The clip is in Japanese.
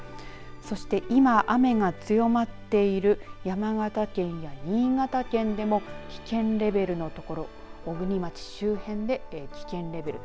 そして、今雨が強まっている山形県や新潟県でも危険レベルの所、小国町周辺で危険レベル。